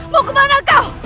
mau kemana kau